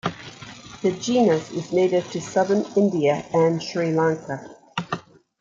The genus is native to southern India and Sri Lanka.